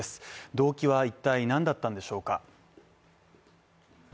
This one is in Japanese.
動機は一体何だったんでしょうか？